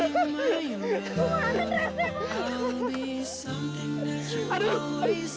ini gak ada sih